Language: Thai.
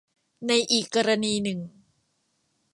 ในอีกกรณีหนึ่ง